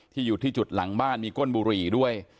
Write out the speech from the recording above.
อยู่ที่จุดหลังบ้านมีก้นบุหรี่ด้วย